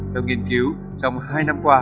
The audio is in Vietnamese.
theo nghiên cứu trong hai năm qua